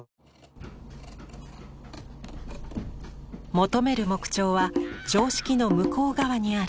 求める木彫は常識の向こう側にある。